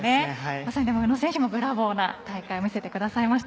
まさに宇野選手もブラボーな大会を見せていただきました。